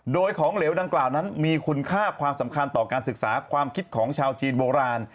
โดยของเหลวดังกล่าวนั้นมีคุณค่าความสำคัญต่อการศึกษาความคิดของชาวจีนโบราณ